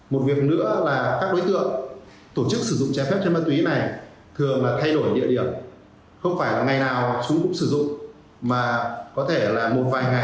một việc nữa các đối tượng tổ chức sử dụng chế phép trên ma túy này thường thay đổi địa điểm